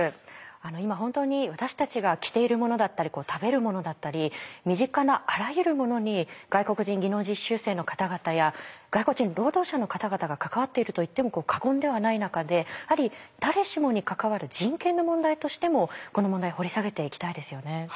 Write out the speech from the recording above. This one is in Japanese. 今本当に私たちが着ているものだったり食べるものだったり身近なあらゆるものに外国人技能実習生の方々や外国人労働者の方々が関わっていると言っても過言ではない中で誰しもに関わる人権の問題としてもこの問題掘り下げていきたいですよね。